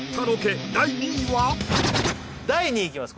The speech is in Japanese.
第２位いきます